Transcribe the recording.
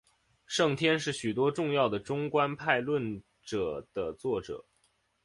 圣天是许多重要的中观派论着的作者。